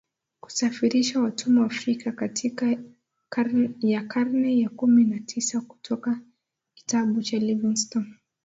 Kusafirisha watumwa Afrika katika ya karne ya kumi na tisa kutoka kitabu cha Livingstone